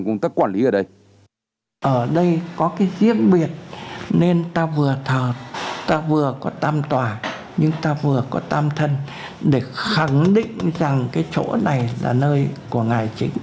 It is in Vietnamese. nên ta vừa thờ ta vừa có tam tòa nhưng ta vừa có tam thân để khẳng định rằng cái chỗ này là nơi của ngài chính